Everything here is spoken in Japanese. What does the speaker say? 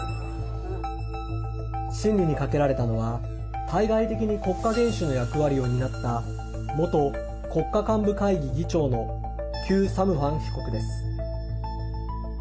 審理にかけられたのは対外的に国家元首の役割を担った元国家幹部会議議長のキュー・サムファン被告です。